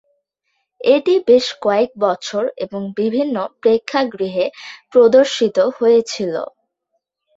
এটি বেশ কয়েক বছর এবং বিভিন্ন প্রেক্ষাগৃহে প্রদর্শিত হয়েছিল।